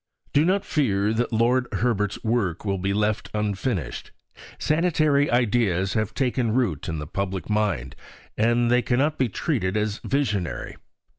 Do not fear that Lord Herbert's work will be left unfinished: sanitary ideas have taken root in the public mind, and they cannot be treated as visionary.